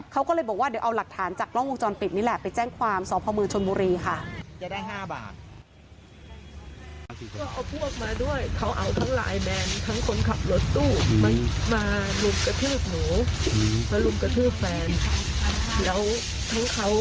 เขาก็เลยบอกว่าเดี๋ยวเอาหลักฐานจากกล้องวงจรปิดนี่แหละไปแจ้งความสพมชนบุรีค่ะ